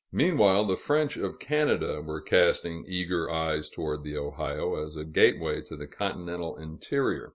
Meanwhile, the French of Canada were casting eager eyes toward the Ohio, as a gateway to the continental interior.